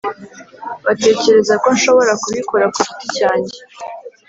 batekereza ko nshobora kubikora ku giti cyanjye,